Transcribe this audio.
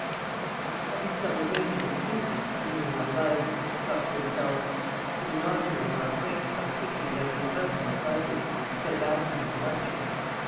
"I wonder how this fellow Granger would treat me, if he knew who I was?" he thought to himself. "He'd inaugurate our acquaintance by kicking me out of his house most likely, instead of asking me to luncheon."